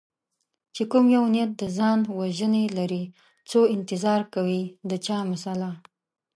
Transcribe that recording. چې کوم یو نیت د ځان وژنې لري څو انتظار کوي د چا مثلا